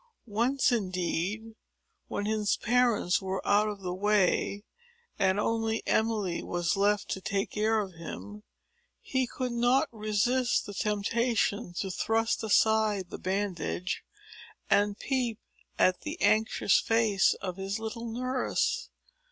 Once, indeed, when his parents were out of the way, and only Emily was left to take care of him, he could not resist the temptation to thrust aside the bandage, and peep at the anxious face of his little nurse.